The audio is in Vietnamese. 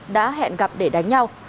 đã hẹn gặp để đánh nhau